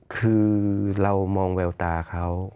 คือเรามองแววตาเขา